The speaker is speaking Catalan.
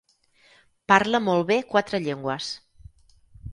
Parla molt bé quatre llengües.